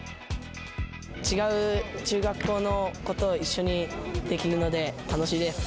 違う中学校の子と一緒にできるので楽しいです。